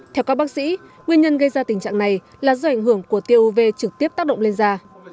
theo các bác sĩ nguyên nhân gây ra tình trạng này là do ảnh hưởng của tiêu uv trực tiếp tác động lên da